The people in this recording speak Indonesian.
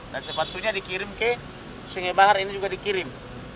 nah sepatunya dikirim ke sungai bahar ini juga dikirim